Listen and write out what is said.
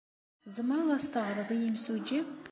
Tzemreḍ ad as-teɣreḍ i yemsujji?